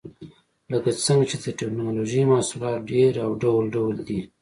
لکه څنګه چې د ټېکنالوجۍ محصولات ډېر او ډول ډول دي.